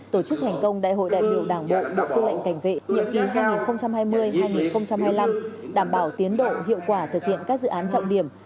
tổ chức thành công đại hội đại biểu đảng bộ bộ tư lệnh cảnh vệ nhiệm kỳ hai nghìn hai mươi hai nghìn hai mươi năm đảm bảo tiến độ hiệu quả thực hiện các dự án trọng điểm